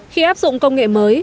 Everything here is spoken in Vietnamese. khi áp dụng công nghệ mới